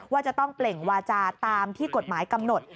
ว่าจะต้องเปล่งวาจาตามที่กฎหมายกำหนด